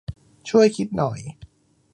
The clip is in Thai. ช่วยคิดหน่อย